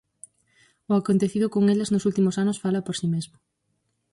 O acontecido con elas nos últimos anos fala por si mesmo.